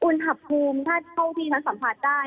อุณหภูมิถ้าเท่าที่ฉันสัมผัสได้